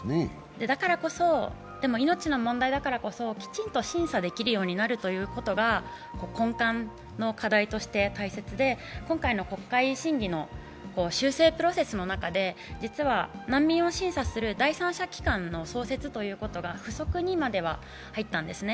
だからこそ、でも、命の問題だからこそきちんと審査できるようになるということが、根幹の課題として大切で今回の国会審議の修正プロセスの中で実は難民を審査する第三者機関の創設がふそくにまでは入ったんですね。